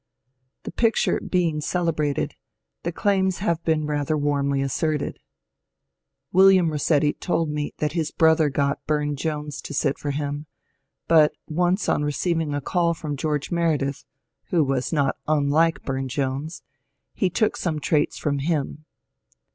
The picture be ing celebrated, the claims have been rather warmly asserted. William Rossetti told me that his brother got Burne Jones to sit for him, but once on receiving a call from George Mere dith, who was not unlike Bume Jones, he took some traits from him.